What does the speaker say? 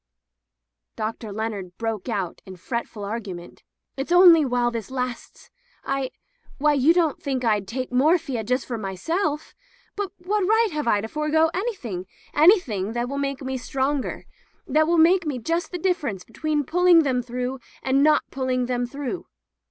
Dr. Leonard broke out in fretful argu ment: "It's only while this lasts. I — ^why, you don't think Fd take morphia just for my self! But what right have I to forego any thing — anything that will make me stronger — that will make just the difference between pulling them through and not pulling them through?"